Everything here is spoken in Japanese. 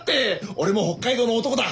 俺も北海道の男だ